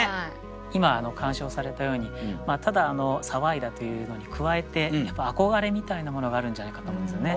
今鑑賞されたようにただ騒いだというのに加えてやっぱ憧れみたいなものがあるんじゃないかと思うんですよね。